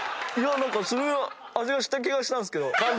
何かするめの味がした気がしたんですけど。